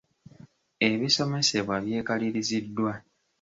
Ebisomesebwa byekaliriziddwa.